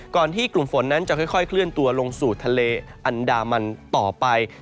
ที่กลุ่มฝนนั้นจะค่อยเคลื่อนตัวลงสู่ทะเลอันดามันต่อไป